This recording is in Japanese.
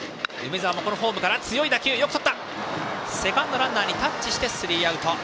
セカンドランナーにタッチしてスリーアウト。